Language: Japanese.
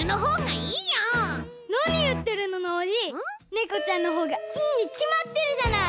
ねこちゃんのほうがいいにきまってるじゃない！